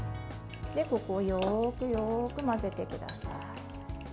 ここ、よくよく混ぜてください。